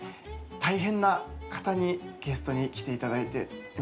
大変な方にゲストに来ていただいています。